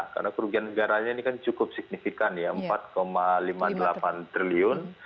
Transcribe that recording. karena kerugian negaranya ini kan cukup signifikan ya empat lima puluh delapan triliun